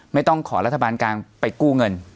ไม่ต้องขอรัฐบาลกลางไปกู้เงิน